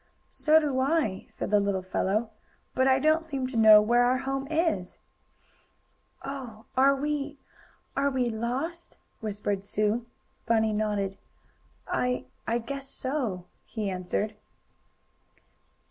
"So do I," said the little fellow, "but I don't seem to know where our home is." "Oh! Are we are we lost?" whispered Sue. Bunny nodded. "I I guess so," he answered.